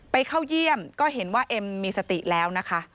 เข้าเยี่ยมก็เห็นว่าเอ็มมีสติแล้วนะคะ